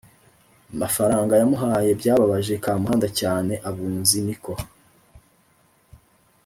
mafaranga yamuhaye. Byababaje Kamuhanda cyane. Abunzi ni ko